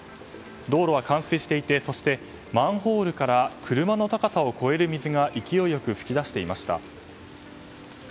道路は冠水していてマンホールから車の高さを超える水が勢いよく噴き出していました。